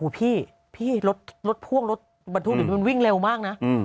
อู๋พี่รถพ่วงนี้มันวิ่งเร็วมากนะ